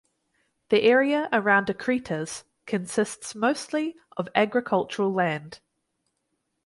The area around Akritas consists mostly of agricultural land.